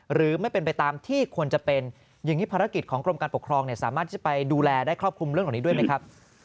หรือไม่เป็นไปตามที่ควรจะเป็นอย่างนี้ภารกิจของกรมการปกครองสามารถที่จะไปดูแลได้ครอบคลุมเรื่องเหล่านี้ด้วยไหมครับ